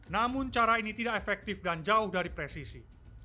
namun cara ini tidak efektif dan jauh dari presisi